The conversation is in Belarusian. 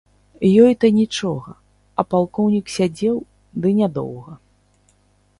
Ёй то нічога, а палкоўнік сядзеў, ды нядоўга.